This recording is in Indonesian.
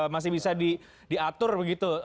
masih bisa diatur begitu